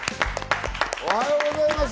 おはようございます。